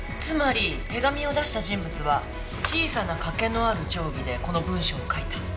つまり手紙を出した人物は小さなかけのある定規でこの文章を書いた。